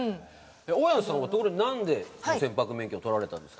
大家さんはところでなんで船舶免許を取られたんですか？